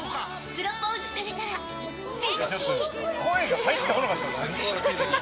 プロポーズされたら「ゼクシィ」。